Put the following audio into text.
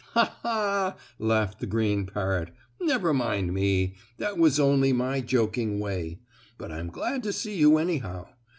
"Ha! Ha!" laughed the parrot. "Never mind me. That was only my joking way. But I'm glad to see you anyhow.